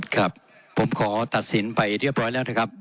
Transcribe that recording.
ครับผมขอตัดสินไปเรียบร้อยแล้วนะครับ